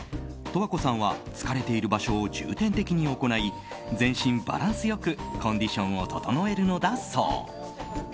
十和子さんは疲れている場所を重点的に行い全身バランスよくコンディションを整えるのだそう。